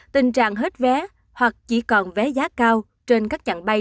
tình trạng hết vé hoặc chỉ còn vé giá cao trên các chặng bay